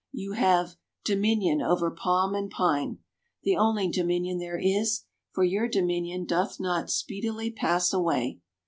You have "dominion over palm and pine," the only dominion there is, for your dominion doth not "speedily pass away."